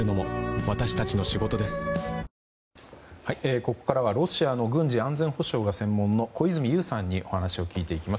ここからはロシアの軍事・安全保障がご専門の小泉悠さんにお話を聞いていきます。